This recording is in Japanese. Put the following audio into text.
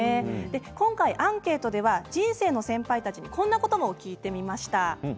今回、アンケートでは人生の先輩たちにこんなことも聞いてみました。